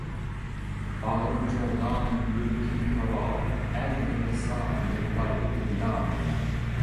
باغرىم چوغدان، يۈرىكىم كاۋاپ، ئەر يىغلىسا يىغلايدۇ دۇنيا.